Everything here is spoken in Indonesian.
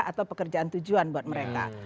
atau pekerjaan tujuan buat mereka